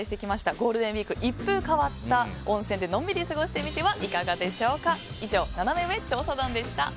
ゴールデンウィーク一風変わった温泉でのんびり過ごしてみてはいかがでしょうか？